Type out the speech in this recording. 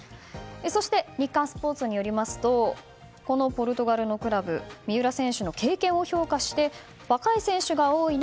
そして日刊スポーツによりますとこのポルトガルのクラブ三浦選手の経験を評価して若い選手が多い中